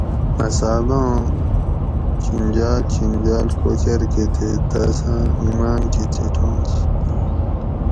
مصعباں چِھنجاۤل چِھنجاۤل کوچر کہ تے تاۤس ایمان کہ چھٹانش